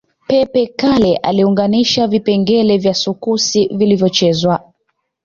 Pepe Kalle aliunganisha vipengele vya sukusi vilivyochezwa